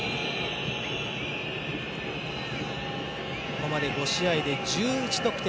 ここまで５試合で１１得点。